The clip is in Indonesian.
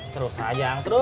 terus ajang terus